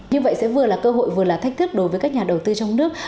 như vậy sẽ vừa là cơ hội vừa là thách thức đối với các nhà đầu tư trong nước